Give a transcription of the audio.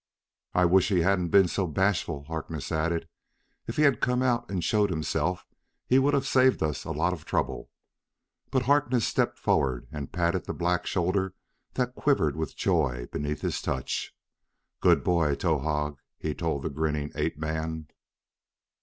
"I wish he hadn't been so bashful," Harkness added. "If he had come out and showed himself he would have saved us a lot of trouble." But Harkness stepped forward and patted the black shoulder that quivered with joy beneath his touch. "Good boy, Towahg!" he told the grinning ape man.